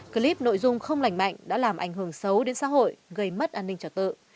clip nội dung không lành mạnh đã làm ảnh hưởng xấu đến xã hội gây mất an ninh trật tự